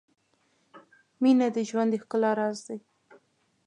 • مینه د ژوند د ښکلا راز دی.